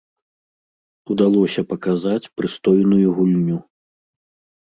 Удалося паказаць прыстойную гульню.